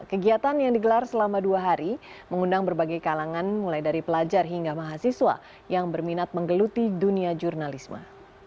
kegiatan yang digelar selama dua hari mengundang berbagai kalangan mulai dari pelajar hingga mahasiswa yang berminat menggeluti dunia jurnalisme